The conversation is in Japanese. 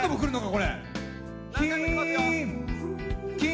これ。